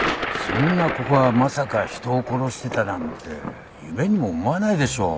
そんな子がまさか人を殺してたなんて夢にも思わないでしょう。